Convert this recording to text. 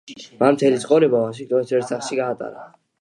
მან მთელი ცხოვრება ვაშინგტონის ერთ სახლში გაატარა.